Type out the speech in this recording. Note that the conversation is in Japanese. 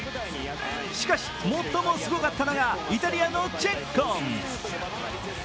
しかし、最もすごかったのがイタリアのチェッコン。